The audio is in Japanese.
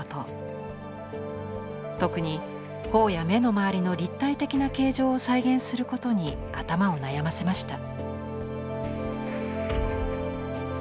特に頬や目のまわりの立体的な形状を再現することに頭を悩ませました。